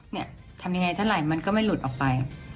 เนี่ยทำยังไงเท่าไหร่มันก็ไม่หลุดออกไป